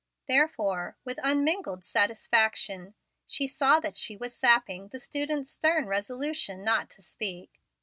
Therefore, with unmingled satisfaction she saw that she was sapping the student's stern resolution not to speak.